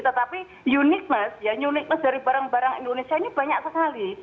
tetapi uniqueness dari barang barang indonesia ini banyak sekali